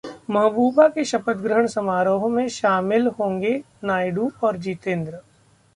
महबूबा के शपथग्रहण समारोह में शामिल होंगे नायडू, जितेंद्र